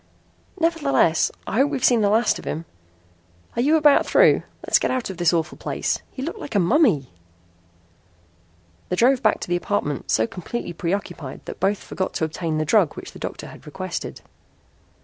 "Nevertheless I hope we've seen the last of him. Are you about through? Let's get out of this awful place. He looked like a mummy!" They drove back to the apartment so completely preoccupied that both forgot to obtain the drug which the doctor had requested.